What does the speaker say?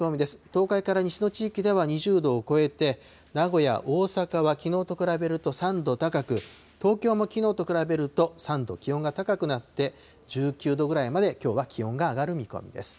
東海から西の地域では２０度を超えて、名古屋、大阪はきのうと比べると３度高く、東京もきのうと比べると３度気温が高くなって、１９度ぐらいまで、きょうは気温が上がる見込みです。